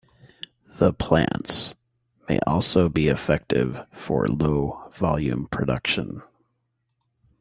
The plants may also be effective for low-volume production.